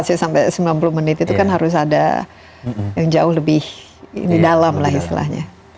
tapi kalau masih sampai sembilan puluh menit itu kan harus ada yang jauh lebih di dalam lah istilahnya